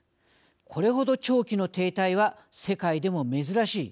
これほど長期の停滞は世界でも珍しい。